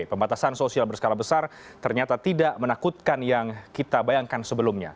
pembatasan sosial berskala besar ternyata tidak menakutkan yang kita bayangkan sebelumnya